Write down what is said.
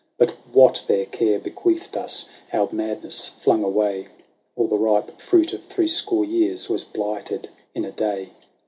But what their care bequeathed us our madness flung away : All the ripe fruit of threescore years was blighted in a day.